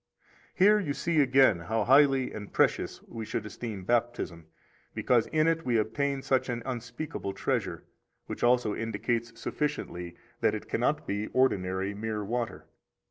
26 Here you see again how highly and precious we should esteem Baptism, because in it we obtain such an unspeakable treasure, which also indicates sufficiently that it cannot be ordinary mere water.